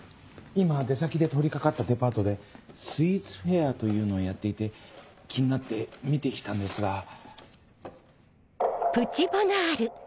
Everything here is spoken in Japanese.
今出先で通り掛かったデパートでスイーツフェアというのをやっていて気になって見て来たんですが。